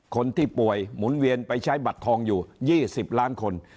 คนที่ป่วยหมุนเวียนไปใช้บัตรทองอยู่๒๐ล้านคน